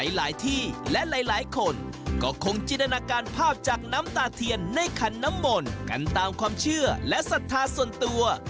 หลายที่และหลายคนก็คงจินตนาการภาพจากน้ำตาเทียนในขันน้ำมนต์กันตามความเชื่อและศรัทธาส่วนตัว